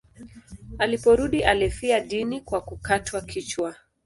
Aliporudi alifia dini kwa kukatwa kichwa.